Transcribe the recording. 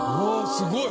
すごい！